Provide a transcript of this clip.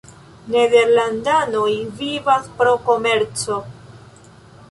Nederlandanoj vivas pro komerco.